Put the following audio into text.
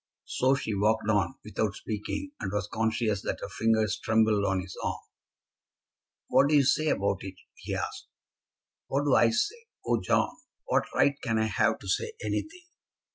So she walked on without speaking, and was conscious that her fingers trembled on his arm. "What do you say about it?" he asked. "What do I say? Oh, John, what right can I have to say anything?"